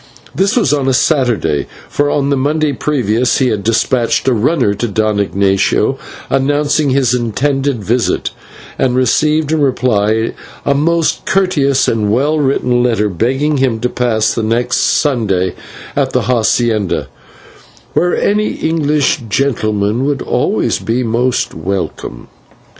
This was on a Saturday, for on the Monday previous he had despatched a runner to Don Ignatio announcing his intended visit, and received in reply a most courteous and well written letter, begging him to pass the next Sunday at the /hacienda/, "where any English gentleman would always be most welcome."